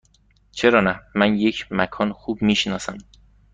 چرا نه؟ من یک مکان خوب می شناسم.